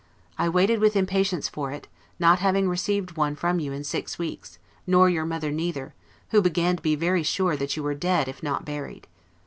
I waited with impatience for it, not having received one from you in six weeks; nor your mother neither, who began to be very sure that you were dead, if not buried.